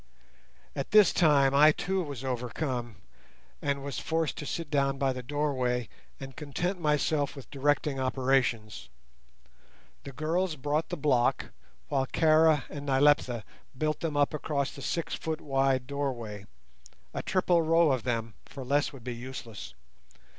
At this time, I too was overcome, and was forced to sit down by the doorway, and content myself with directing operations. The girls brought the block, while Kara and Nyleptha built them up across the six foot wide doorway, a triple row of them, for less would be useless.